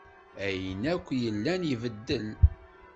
Ayen akk yellan ibeddel.